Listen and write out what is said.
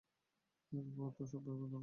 এর তো সব ব্যাপারে দারুণ লাগে বলতেছে।